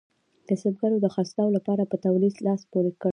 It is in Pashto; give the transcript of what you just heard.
کسبګرو د خرڅلاو لپاره په تولید لاس پورې کړ.